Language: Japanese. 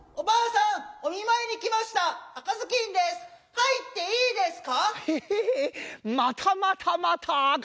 はいっていいですか？